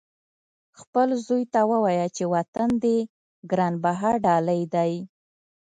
خپل زوی ته ووایه چې وطن دې ګران بها ډالۍ دی.